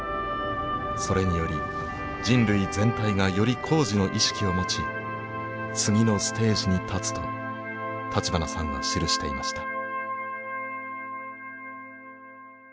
それにより人類全体がより高次の意識を持ち次のステージに立つと立花さんは記していました。